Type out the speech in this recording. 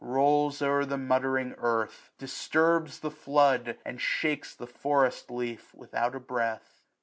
Rolls o'er the muttering earth, disturbs the flood. And shakes the forest leaf without a breath.